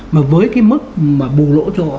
mà với cái mức mà bù lỗ cho